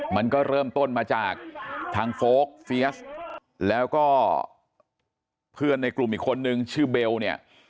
มันก็เริ่มต้นมาจากทางโฟลกเฟียสแล้วก็เพื่อนในกลุ่มอีกคนนึงชื่อเบลเนี่ย